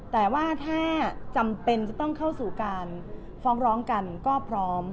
แต่ว่าถ้าจำเป็นจะต้องเข้าสู่การฟ้องร้องกันก็พร้อม